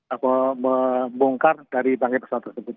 apa membongkar dari bankir pesawat tersebut